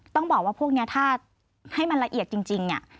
ต้องบอกว่าพวกนี้ถ้าให้มันละเอียดจริงเนี่ย